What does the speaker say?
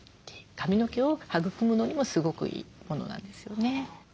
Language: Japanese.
髪の毛を育むのにもすごくいいものなんですよね。